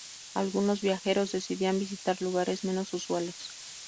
Algunos viajeros decidían visitar lugares menos usuales.